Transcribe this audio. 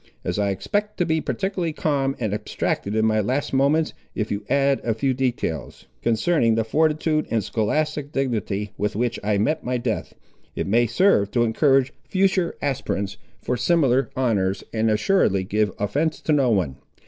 As I expect to be particularly calm and abstracted in my last moments, if you add a few details, concerning the fortitude and scholastic dignity with which I met my death, it may serve to encourage future aspirants for similar honours, and assuredly give offence to no one.